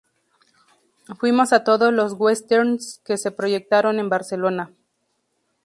Fuimos a todos los "westerns" que se proyectaron en Barcelona.